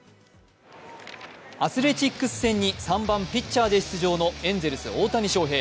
アスレチックス戦に３番・ピッチャーで出場のエンゼルス・大谷翔平